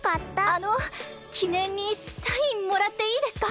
あのきねんにサインもらっていいですか？